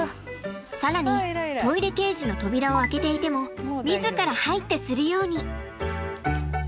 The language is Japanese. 更にトイレケージの扉を開けていても自ら入ってするように！